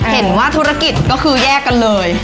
เห็นว่าธุรกิจก็คือแยกกันเลย